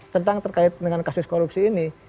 tentang terkait dengan kasus korupsi ini